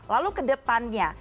lalu ke depannya